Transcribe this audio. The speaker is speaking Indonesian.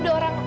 itu ada orang